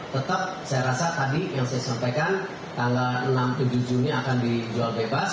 tetap saya rasa tadi yang saya sampaikan tanggal enam tujuh juni akan dijual bebas